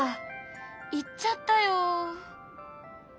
行っちゃったよ。